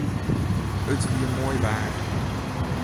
It wie moai waar.